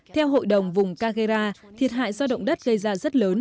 theo hội đồng vùng cageara thiệt hại do động đất gây ra rất lớn